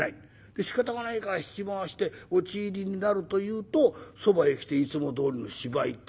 でしかたがないから引き回して落入になるというとそばへ来ていつもどおりの芝居って。